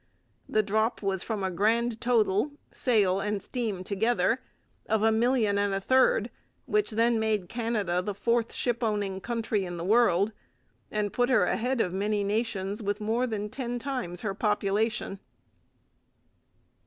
The drop was from a grand total, sail and steam together, of a million and a third, which then made Canada the fourth shipowning country in the world and put her ahead of many nations with more than ten times her population.